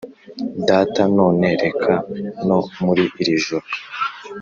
data None reka no muri iri joro